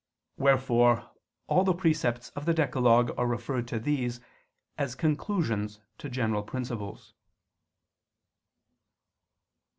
Wherefore all the precepts of the decalogue are referred to these, as conclusions to general principles.